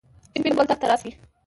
سپين بولدک ته راسئ!